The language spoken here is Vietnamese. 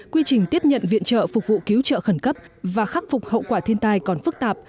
quy trình tiếp nhận viện trợ phục vụ cứu trợ khẩn cấp và khắc phục hậu quả thiên tai còn phức tạp